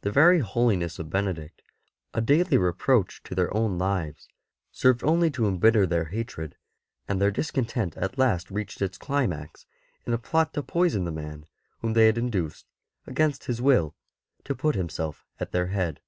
The very holiness of Benedict, a daily reproach to their own lives, served only to embitter their hatred, and their discontent at last reached its climax in a plot to poison the man whom they had ST. BENEDICT 39 induced, against his will, to put himself at their head.